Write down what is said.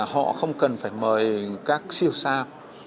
họ không cần phải mời các siêu sao